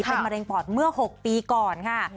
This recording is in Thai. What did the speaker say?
เป็นมะเร็งปอดเมื่อ๖ปีก่อนค่ะ